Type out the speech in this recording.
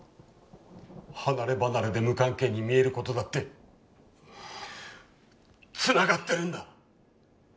離ればなれで無関係に見える事だってつながってるんだ。